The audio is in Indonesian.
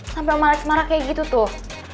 sampai malek semara kayak gitu tuh